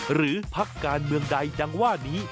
พักการเมืองใดดังว่านี้